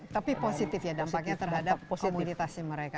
tapi positif ya dampaknya terhadap komunitasnya mereka